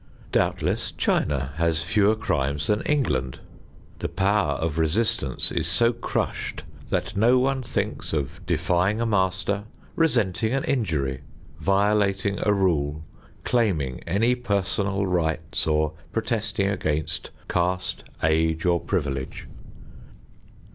Doubtless China has fewer crimes than England. The power of resistance is so crushed that no one thinks of defying a master, resenting an injury, violating a rule, claiming any personal rights or protesting against caste, age, or privilege.